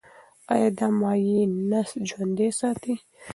ایا دا مایع نسج ژوندی ساتي؟